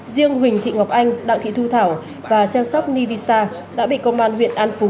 riêng huỳnh thị ngọc anh đặng thị thu thảo và xe sóc nivi xa đã bị công an huyện an phú